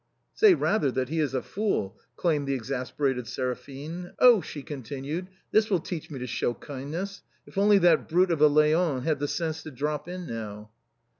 " Say rather that he is a fool," exclaimed the exasperated Seraphine. " Oh !" she continued, " this will teach me to show kindness. If only that brute of a Leon had the sense to drop in now